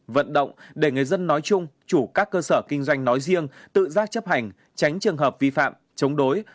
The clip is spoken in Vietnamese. vận động để người dân nói chung chủ các cơ sở kinh doanh nói riêng tự giác chấp hành tránh trường hợp vi phạm chống đối